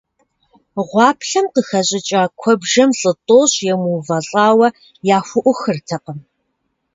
Гъуаплъэм къыхэщӀыкӀа куэбжэм лӀы тӀощӀ емыувэлӀауэ яхуӀухыртэкъым.